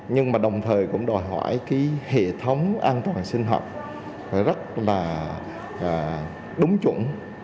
nhưng mà đồng thời cũng đòi hỏi cái hệ thống an toàn sinh học rất là đúng chủng